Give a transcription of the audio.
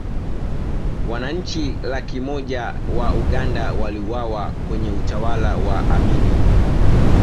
wananchi laki moja wa uganda waliuawa kwenye utawala wa amini